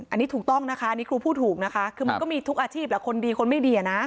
อันนี้ถูกต้องนะคะอันนี้ครูพูดถูกนะคะคือมันก็มีทุกอาชีพแหละคนดีคนไม่ดีอ่ะนะ